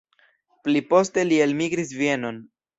Pli poste li elmigris Vienon.